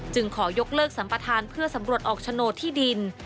ขอยกเลิกสัมปทานเพื่อสำรวจออกโฉนดที่ดิน